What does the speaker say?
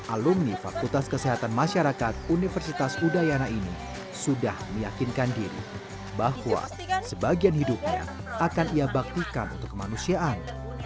alumni fakultas kesehatan masyarakat universitas udayana ini sudah meyakinkan diri bahwa sebagian hidupnya akan ia baktikan untuk kemanusiaan